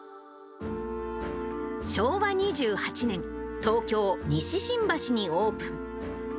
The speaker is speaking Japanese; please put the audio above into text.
昭和２８年、東京・西新橋にオープン。